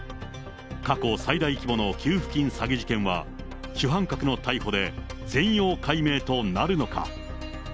過去最大規模の給付金詐欺事件は、主犯格の逮捕で全容解明となるのか。